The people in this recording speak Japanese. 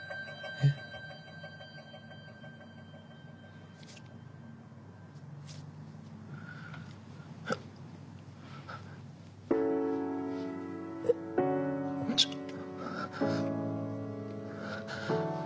えっちょっと。